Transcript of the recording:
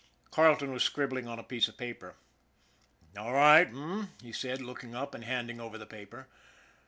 Carleton was scribbling on a piece of paper. " All right, h'm? " he said, looking up and handing over the paper.